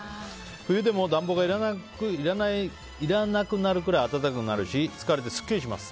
冬でも暖房がいらなくなるくらい暖かくなるし疲れてすっきりします。